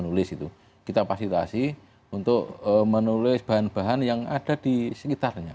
nulis itu kita fasilitasi untuk menulis bahan bahan yang ada di sekitarnya